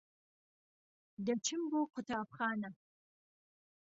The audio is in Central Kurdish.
دەچم بۆ قوتابخانە.